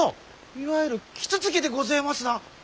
いわゆるキツツキでごぜますな！